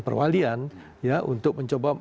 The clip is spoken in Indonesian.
perwalian untuk mencoba